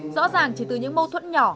rõ ràng chỉ từ những mâu thuẫn nhỏ